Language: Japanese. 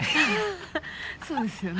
そうですよね